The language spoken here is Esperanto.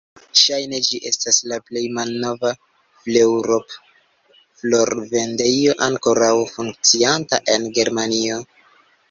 Ŝajne ĝi estas la plej malnova "Fleurop"-florvendejo ankoraŭ funkcianta en Germanio.